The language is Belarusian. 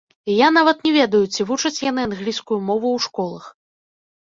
І я нават не ведаю, ці вучаць яны англійскую мову ў школах.